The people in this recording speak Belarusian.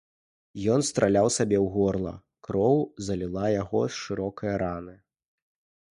Ён страляў сабе ў горла, кроў заліла яго з шырокае раны.